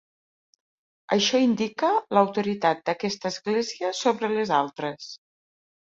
Això indica l'autoritat d'aquesta església sobre les altres.